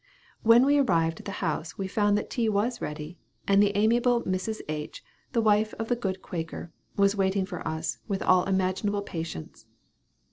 When we arrived at the house we found that tea was ready; and the amiable Mrs. H., the wife of the good Quaker, was waiting for us, with all imaginable patience.